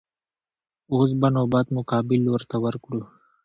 اوس به نوبت مقابل لور ته ورکړو.